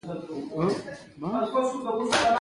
د ابجوش کشمش څنګه جوړیږي؟